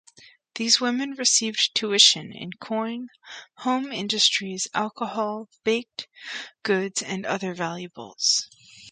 These women received "tuition" in coin, home industries, alcohol, baked goods and other valuables.